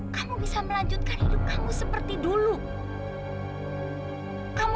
sampai jumpa di video selanjutnya